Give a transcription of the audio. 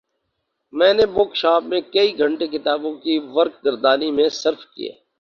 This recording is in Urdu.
میں نے بک شاپ میں کئی گھنٹے کتابوں کی ورق گردانی میں صرف کئے